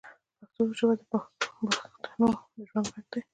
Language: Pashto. پښتو ژبه د بښتنو د ژوند ږغ دی